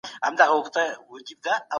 له کورني مرکز پرته پوهه نه وړاندې کېږي.